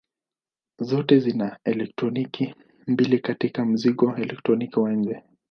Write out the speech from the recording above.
Zote zina elektroni mbili katika mzingo elektroni wa nje.